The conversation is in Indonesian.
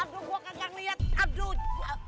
aduh gua kagak liat aduh